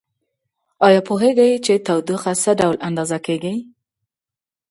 ایا پوهیږئ چې تودوخه څه ډول اندازه کیږي؟